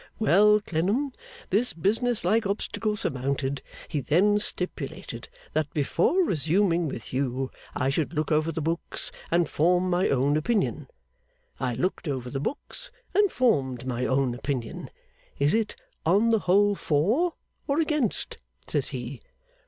Well, Clennam. This business like obstacle surmounted, he then stipulated that before resuming with you I should look over the books and form my own opinion. I looked over the books, and formed my own opinion. "Is it, on the whole, for, or against?" says he.